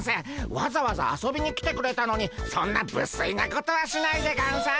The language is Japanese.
わざわざ遊びに来てくれたのにそんなぶすいなことはしないでゴンス。